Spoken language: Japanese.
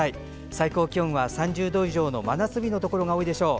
最高気温は３０度以上の真夏日のところが多いでしょう。